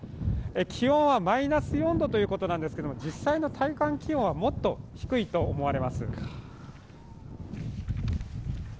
気温はマイナス４度ということなんですけれども、実際の体感気温はもっと低いと思われます。